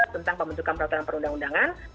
tentang pembentukan peraturan perundang undangan